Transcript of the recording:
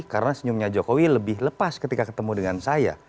karena senyumnya jokowi lebih lepas ketika ketemu dengan saya